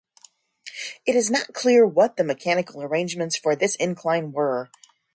It is not clear what the mechanical arrangements for this incline were.